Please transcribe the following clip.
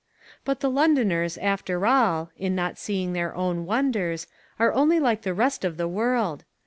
But the Londoners, after all, in not seeing their own wonders, are only like the rest of the world.